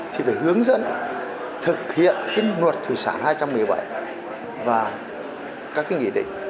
thì phải hướng dẫn thực hiện luật thủy sản hai trăm một mươi bảy và các nghị định